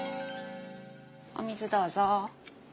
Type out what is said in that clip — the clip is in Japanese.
お水どうぞ。